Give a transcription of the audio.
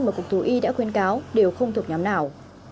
mà cục thú y đã khuyên cáo đều không thuộc nhóm nào